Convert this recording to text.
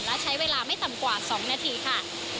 และใช้เวลาไม่ต่ำกว่า๒นาทีค่ะ